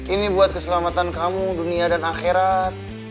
ini buat keselamatan kamu dunia dan akhirat